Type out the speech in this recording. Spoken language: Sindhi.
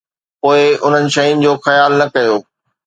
پوءِ انهن شين جو خيال نه ڪيو؟